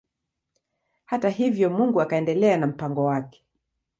Hata hivyo Mungu akaendelea na mpango wake.